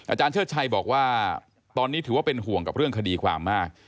เชิดชัยบอกว่าตอนนี้ถือว่าเป็นห่วงกับเรื่องคดีความมาก